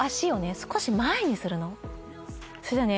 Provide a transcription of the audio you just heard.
少し前にするのそしたらね